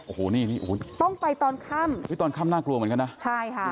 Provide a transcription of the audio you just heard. โอ้โหนี่ต้องไปตอนค่ำอุ้ยตอนค่ำน่ากลัวเหมือนกันนะใช่ค่ะ